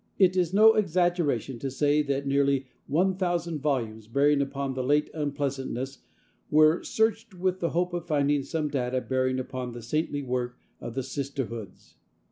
It is no exaggeration to say that nearly one thousand volumes bearing upon the "late unpleasantness" were searched with the hope of finding some data bearing upon the saintly work of the Sisterhoods.